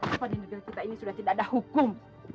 apa di negeri kita ini sudah tidak ada hukum